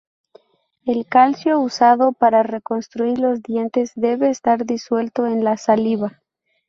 El calcio usado para reconstruir los dientes debe estar disuelto en la saliva.